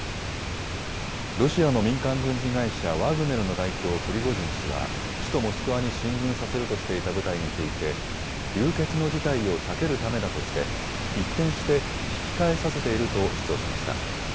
ロシアの民間軍事会社、ワグネルの代表、プリゴジン氏は首都モスクワに進軍させるとしていた部隊について流血の事態を避けるためだとして一転して引き返させていると主張しました。